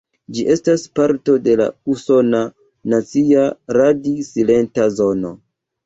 Ĝi estas parto de la Usona Nacia Radi-Silenta Zono.